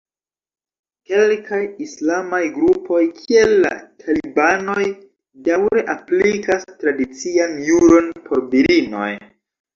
Kelkaj islamaj grupoj kiel la talibanoj daŭre aplikas tradician juron por virinoj.